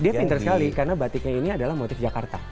dia pinter sekali karena batiknya ini adalah motif jakarta